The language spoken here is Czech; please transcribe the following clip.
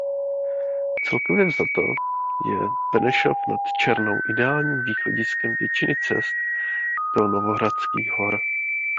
Celkově vzato je Benešov nad Černou ideálním východiskem většiny cest do Novohradských hor.